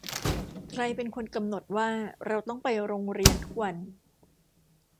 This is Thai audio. ใครเป็นคนกำหนดว่าเราต้องไปโรงเรียนทุกวัน